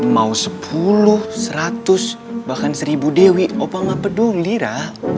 mau sepuluh seratus bahkan seribu dewi apa nggak peduli lira